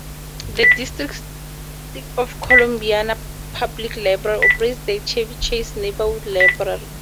The District of Columbia Public Library operates the Chevy Chase Neighborhood Library.